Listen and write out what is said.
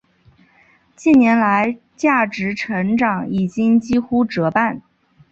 近年来价值成长已经几乎折半。